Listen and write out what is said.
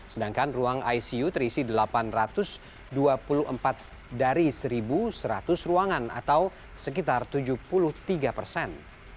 sedangkan ruang icu terisi delapan ratus dua puluh empat dari satu seratus ruangan atau sekitar tujuh puluh tiga persen